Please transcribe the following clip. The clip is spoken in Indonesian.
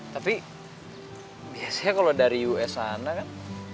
tapi biasanya kalau dari us sana kan